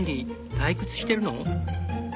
退屈してるの？